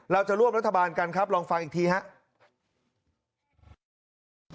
เราจะร่วมรัฐบาลกันครับลองฟังอีกทีครับ